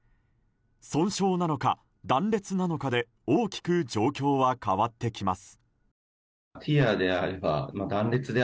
損傷なのか断裂なのかで大きく状況は変わってきます。